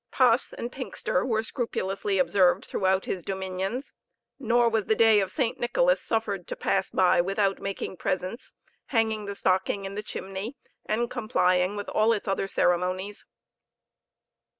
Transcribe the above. Paas and Pinxter were scrupulously observed throughout his dominions; nor was the day of St. Nicholas suffered to pass by without making presents, hanging the stocking in the chimney, and complying with all its other ceremonies.